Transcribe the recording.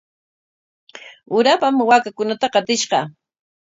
Urapam waakakunata qatishqa.